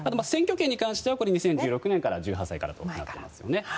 選挙権に関しては２０１６年から１８歳からとなっていますよね。